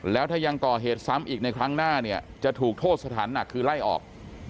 แล้วถ้ายังก่อเหตุซ้ำอีกในครั้งหน้าเนี่ยจะถูกโทษสถานหนักคือไล่ออก